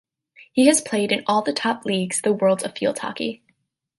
He has played in all the top leagues the world of field hockey.